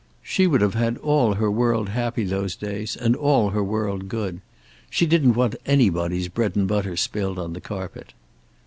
She would have had all her world happy those days, and all her world good. She didn't want anybody's bread and butter spilled on the carpet.